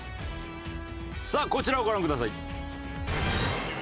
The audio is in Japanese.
さあこちらをご覧ください。